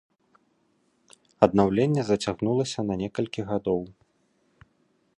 Аднаўленне зацягнулася на некалькі гадоў.